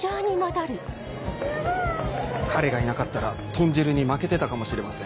彼がいなかったら豚汁に負けてたかもしれません。